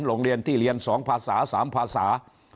โรงเรียนที่เรียน๒ภาษา๓ภาษา